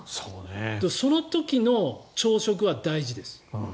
その時の朝食は大事です。